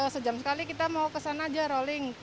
sejam sekali kita mau ke sana aja rolling